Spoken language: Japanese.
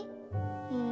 うん。